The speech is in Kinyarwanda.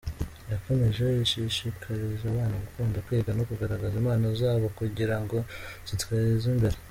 Yakomeje ashishikariza abana gukunda kwiga no kugaragaza impano zabo kugira ngo zitezwe imbere.